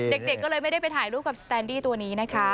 เด็กก็เลยไม่ได้ไปถ่ายรูปกับสแตนดี้ตัวนี้นะคะ